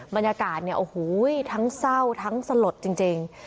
บรรยากาศเนี่ยโอ้โหทั้งเศร้าทั้งสลดจริง